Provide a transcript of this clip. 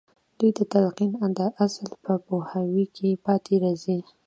دوی د تلقين د اصل په پوهاوي کې پاتې راځي.